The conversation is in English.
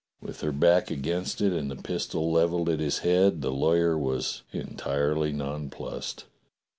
With her back against it and the pistol levelled at his head, the lawyer was entirely nonplussed.